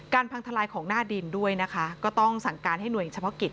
พังทลายของหน้าดินด้วยนะคะก็ต้องสั่งการให้หน่วยเฉพาะกิจ